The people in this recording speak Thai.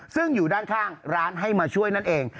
ซึ่งอยู่ด้านข้างร้านให้มาช่วยนั่นเอง